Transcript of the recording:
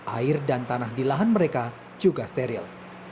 air dan tanah di lahan mereka juga steril